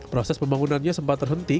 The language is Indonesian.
proses pembangunannya sempat terhenti